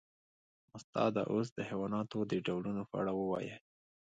استاده اوس د حیواناتو د ډولونو په اړه ووایئ